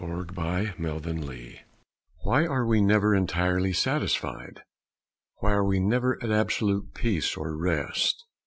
THE GIFTS OF GOD Why are we never entirely satisfied? Why are we never at absolute peace or rest?